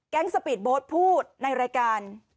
สปีดโบ๊ทพูดในรายการ